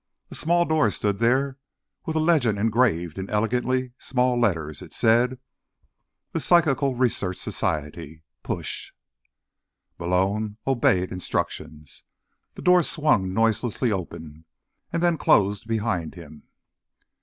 A small door stood there, with a legend engraved in elegantly small letters. It said: The Psychical Research Society Push Malone obeyed instructions. The door swung noiselessly open, and then closed behind him.